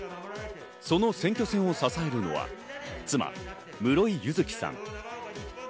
その選挙戦を支えるのは妻・室井佑月さん。